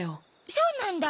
そうなんだ。